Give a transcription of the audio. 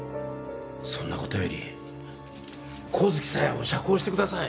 そんなことより神月沙代を釈放してください。